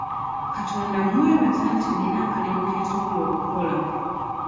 Katonda mmwebaza nti nnina akalimu ke nsobola okukola.